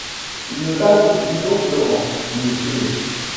Un vague tourbillon pleurant, une fumée